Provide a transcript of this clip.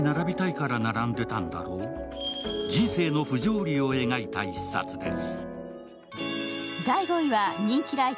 人生の不条理を描いた一冊です。